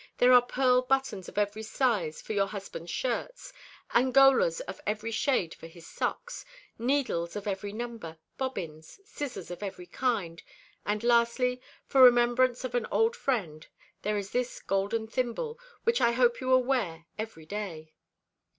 There are pearl buttons of every size for your husband's shirts; angolas of every shade for his socks; needles of every number; bobbins; scissors of every kind; and lastly, for remembrance of an old friend, there is this golden thimble, which I hope you will wear every day."